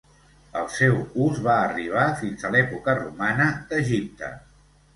El seu ús va arribar fins a l'època romana d'Egipte.